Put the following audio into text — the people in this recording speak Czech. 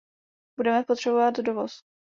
Budeme potřebovat dovoz.